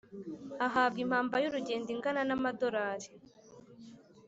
Ahabwa impamba y urugendo ingana n amadorari